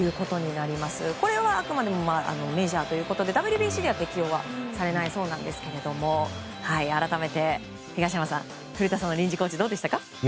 これはあくまでもメジャーということでＷＢＣには適用はされないそうですが改めて、東山さん古田さんの臨時コーチどうでしたか？